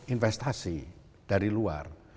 investasi dari luar